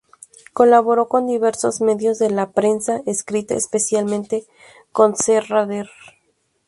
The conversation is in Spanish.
Colaboró con diversos medios de la prensa escrita, especialmente con Serra d'Or.